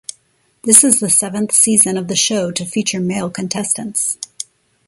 This is the seventh season of the show to feature male contestants.